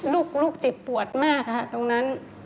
ลูกเจ็บปวดมากค่ะตรงนั้น